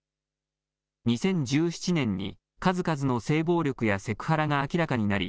２０１７年に数々の性暴力やセクハラが明らかになり＃